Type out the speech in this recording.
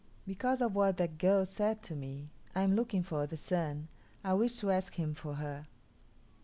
Because of what that girl said to me, I am looking for the Sun. I wish to ask him for her."